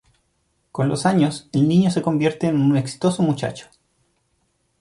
Con los años, el niño se convierte en un exitoso muchacho.